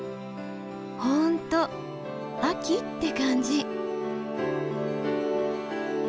本当「秋」って感じ。